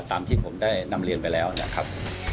ตามที่ผมได้นำเรียนไปแล้วนะครับ